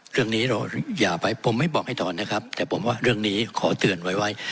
เรื่องนี้เราอย่าไปผมไม่บอกให้ถอนนะครับแต่ผมว่าเรื่องนี้ขอเตือนไว้